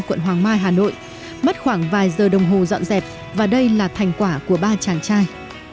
quận hoàng mai hà nội mất khoảng vài giờ đồng hồ dọn dẹp và đây là thành quả của ba chàng trai